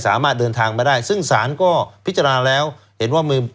สามารถเดินทางมาได้ซึ่งศาลก็พิจารณาแล้วเห็นว่ามือ